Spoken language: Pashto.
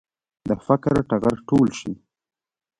د فقر ټغر ټول شي.